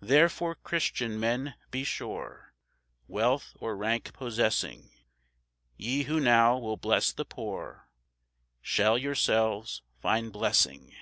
Therefore, Christian men, be sure, Wealth or rank possessing, Ye who now will bless the poor, Shall yourselves find blessing.